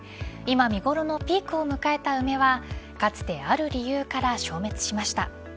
今、見頃のピークを迎えた梅はかつて、ある理由から消滅しました。